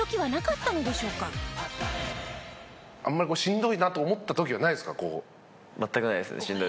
あんまりしんどいなって思った時はないんですか？